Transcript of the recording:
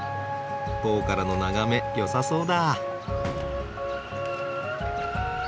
塔からの眺めよさそうだ。